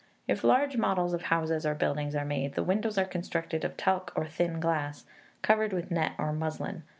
If large models of houses or buildings are made, the windows are constructed of talc or thin glass, covered with net or muslin.